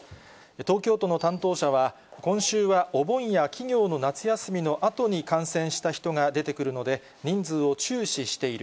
東京都の担当者は、今週はお盆や企業の夏休みのあとに感染した人が出てくるので、人数を注視している。